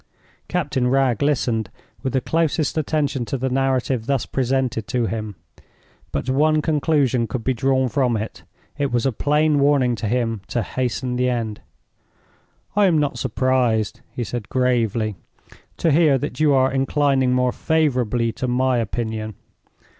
Captain Wragge listened with the closest attention to the narrative thus presented to him. But one conclusion could be drawn from it—it was a plain warning to him to hasten the end. "I am not surprised," he said, gravely, "to hear that you are inclining more favorably to my opinion.